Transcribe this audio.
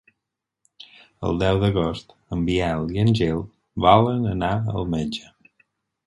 El deu d'agost en Biel i en Gil volen anar al metge.